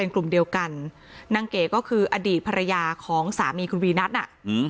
กลุ่มเดียวกันนางเก๋ก็คืออดีตภรรยาของสามีคุณวีนัทน่ะ